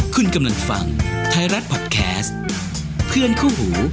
คุณกำลังฟังไทยรัฐพอดแคสต์เพื่อนคู่หู